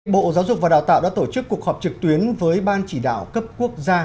bộ giáo dục và đào tạo đã tổ chức cuộc họp trực tuyến với ban chỉ đạo cấp quốc gia